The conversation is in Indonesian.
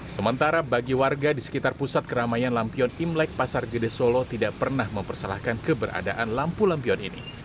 sementara bagi warga di sekitar pusat keramaian lampion imlek pasar gede solo tidak pernah mempersalahkan keberadaan lampu lampion ini